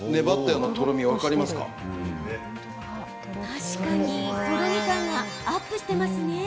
確かに、とろみがアップしていますね。